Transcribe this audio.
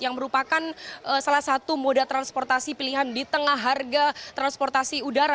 yang merupakan salah satu moda transportasi pilihan di tengah harga transportasi udara